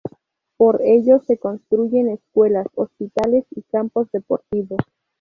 Por ello se construyen escuelas, hospitales y campos deportivos.